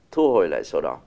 thu hồi lại sổ đỏ